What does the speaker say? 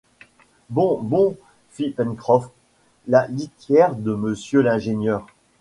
Bon ! bon ! fit Pencroff !— La litière de monsieur l’ingénieur